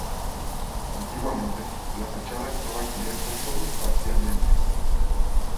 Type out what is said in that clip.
Antiguamente, la fachada estaba cubierta sólo parcialmente.